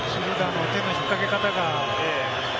手の引っ掛け方が。